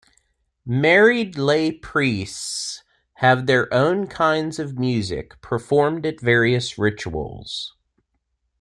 Married lay priests have their own kinds of music, performed at various rituals.